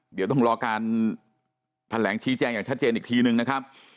เดี๋ยวต้องรอการแถลงชี้แจงอย่างชัดเจนอีกทีนึงนะครับ